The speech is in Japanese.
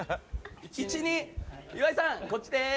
岩井さん、こっちです！